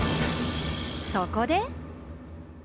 そこで。